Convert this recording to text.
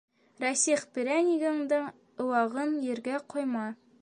— Рәсих, перәнигеңдең ыуағын ергә ҡойма.